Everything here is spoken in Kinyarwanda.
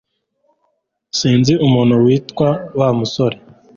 Sinzi umuntu witwa Wa musore